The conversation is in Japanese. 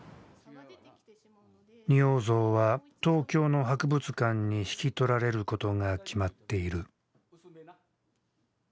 仁王像は東京の博物館に引き取られることが決まっている。